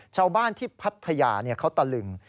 ชาวบ้านที่พัทยาเขาตะลึง